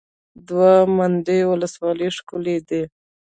دوه منده ولسوالۍ ښکلې ده؟